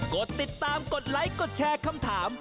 กดติดตามกดไลค์กดแชร์คำถาม